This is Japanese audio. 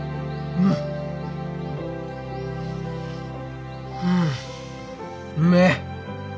うんうめえ。